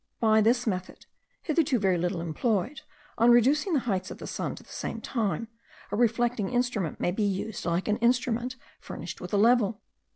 By this method, hitherto very little employed, on reducing the heights of the sun to the same time, a reflecting instrument may be used like an instrument furnished with a level.